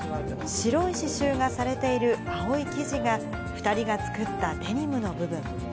白い刺しゅうがされている青い生地が、２人が作ったデニムの部分。